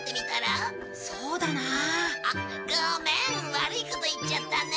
悪いこと言っちゃったね。